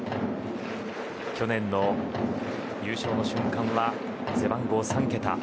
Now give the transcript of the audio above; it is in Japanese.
去年の優勝の瞬間は背番号は３桁。